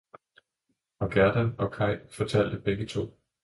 Og Gerda og Kay fortalte begge to.